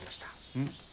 うん。